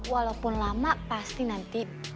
walaupun lama pasti nanti